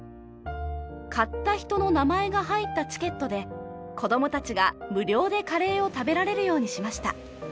買った人の名前が入ったチケットで子どもたちが無料でカレーを食べられるようにしました。